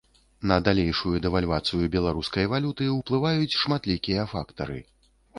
На далейшую дэвальвацыю беларускай валюты ўплываюць шматлікія фактары.